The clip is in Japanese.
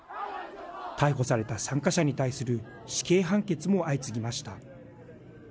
逮捕された参加者に対する死刑判決も相次ぎました。